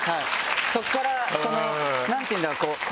そこから何ていうんだろう？